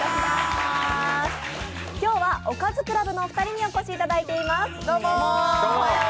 今日はおかずクラブのお二人にお越しいただいています。